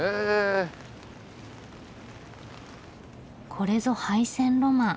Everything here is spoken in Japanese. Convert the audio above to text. これぞ廃線ロマン。